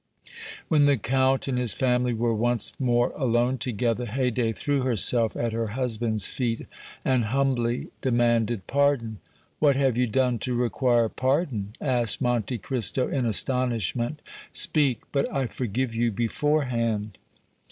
When the Count and his family were once more alone together, Haydée threw herself at her husband's feet and humbly demanded pardon. "What have you done to require pardon?" asked Monte Cristo, in astonishment. "Speak, but I forgive you beforehand.'